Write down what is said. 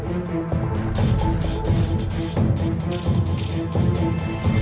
terima kasih ya kalian semua sudah nolongin wajum